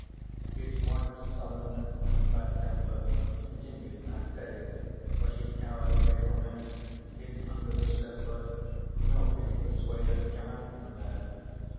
His wife's sullenness and bad temper continued that day, for she cowered away from him and hid under the sofa, nor could he persuade her to come out from there.